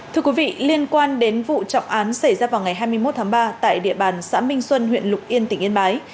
thưa quý vị liên quan đến vụ trọng án xảy ra vào ngày hai mươi một tháng ba tại địa bàn xã minh xuân huyện lục yên tỉnh yên bái